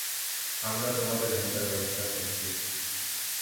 আমরা তোমাদের ভ্যানটার ব্যবস্থা করছি।